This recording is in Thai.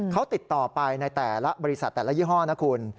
เขาติดต่อไปในแต่ละบริษัทแต่ละยี่ห้อนะคุณ